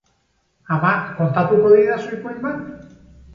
Ama, kontatuko didazu ipuin bat?